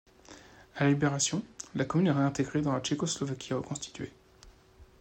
À la libération, la commune est réintégrée dans la Tchécoslovaquie reconstituée.